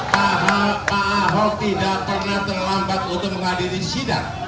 pak ahok tidak pernah terlambat untuk menghadiri sidang